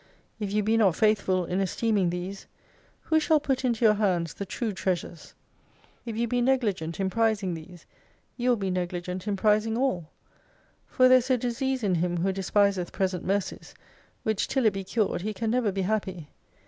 If you be not faithful in esteeming these ; who shall put into your hands the true Treasures ? If you be negligent in prizing these, you will be negligent in prizing aU. For there is a disease in him who despiseth present mercies, which till it be cured, he can never be happy.